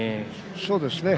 そうですね。